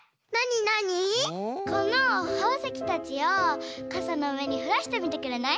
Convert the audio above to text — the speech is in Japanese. このほうせきたちをかさのうえにふらしてみてくれない？